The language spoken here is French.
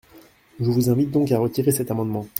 Je vous invite donc à retirer cet amendement.